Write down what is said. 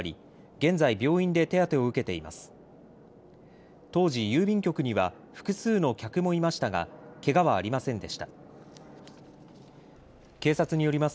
現在、病院で手当てを受けています。